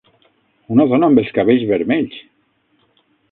Una dona amb els cabells vermells!